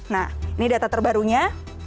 nah ini data terbarunya